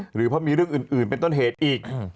หรือเพราะมีเรื่องอื่นเป็นต้นเหตุอีก